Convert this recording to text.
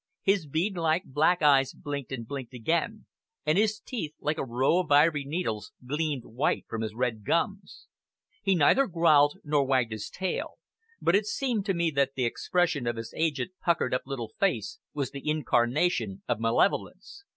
His bead like, black eyes blinked and blinked again; and his teeth, like a row of ivory needles, gleamed white from his red gums. He neither growled nor wagged his tail, but it seemed to me that the expression of his aged, puckered up little face was the incarnation of malevolence.